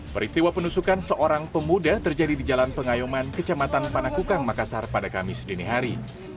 peristiwa penusukan seorang pemuda terjadi di jalan pengayuman kecamatan panakukang makassar pada kamis dinihari